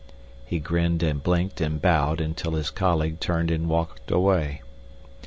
He grinned and blinked and bowed until his colleague turned and walked away.